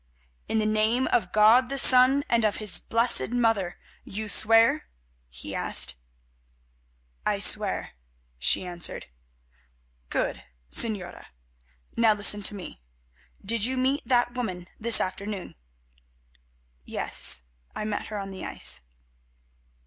"In the name of God the Son and of His Blessed Mother, you swear?" he asked. "I swear," she answered. "Good, Señora. Now listen to me. Did you meet that woman this afternoon?" "Yes, I met her on the ice."